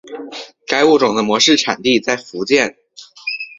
该物种的模式产地在福建。